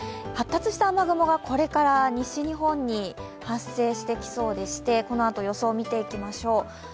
発達した雨雲がこれから西日本に発生してきそうでしてこのあと予想を見ていきましょう。